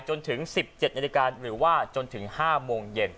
จนถึง๑๗นาฬิกาหรือว่าจนถึง๕โมงเย็น